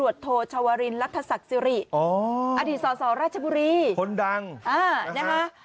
อ๋ออดีตรศรรจบุรีคนดังอ่าน่ะค่ะ